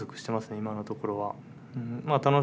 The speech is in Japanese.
今のところは。